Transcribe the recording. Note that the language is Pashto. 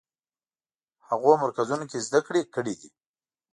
هغو مرکزونو کې زده کړې کړې دي.